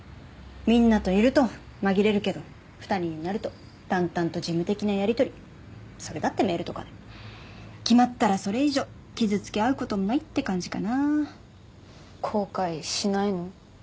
みんなといると紛れるけど２人になると淡々と事務的なやり取りそれだってメールとかで決まったらそれ以上傷つけ合うこともないって感じかな後悔しないの？